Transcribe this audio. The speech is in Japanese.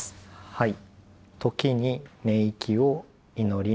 はい。